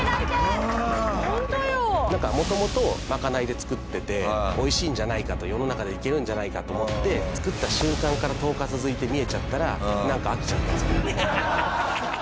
なんか元々まかないで作ってて美味しいんじゃないかと世の中でいけるんじゃないかと思って作った瞬間から１０日続いて見えちゃったらなんか飽きちゃったんですよ。